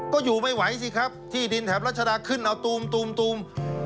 ก็อยู่ไม่ไหวสิครับที่ดินแถบรัชดาขึ้นเอาตูม